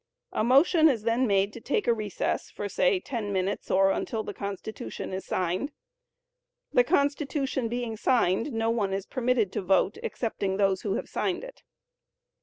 A motion is then made to take a recess for say ten minutes, or until the Constitution is signed. The constitution being signed, no one is permitted to vote excepting those who have signed it.